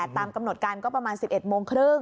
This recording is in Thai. ตามกำหนดการก็ประมาณ๑๑โมงครึ่ง